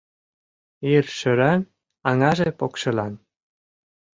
Йыр шӧран аҥаже покшелан